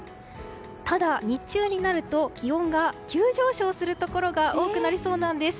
ただ、日中になると気温が急上昇するところが多くなりそうです。